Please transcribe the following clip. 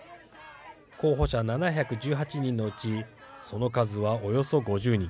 候補者７１８人のうちその数は、およそ５０人。